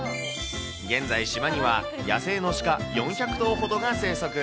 現在、島には野生の鹿４００頭ほどが生息。